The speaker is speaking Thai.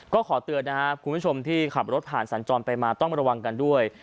ก็ขอเตือนนะครับคุณผู้ชมที่ขับรถผ่านสัญจรไปมาต้องระวังกันด้วย